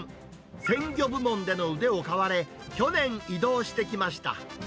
鮮魚部門での腕を買われ、去年、異動してきました。